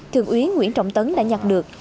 thượng úy nguyễn trọng tấn đã nhặt được